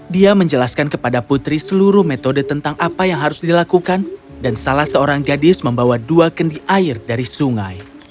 dia menjelaskan kepada putri seluruh metode tentang apa yang harus dilakukan dan salah seorang gadis membawa dua kendi air dari sungai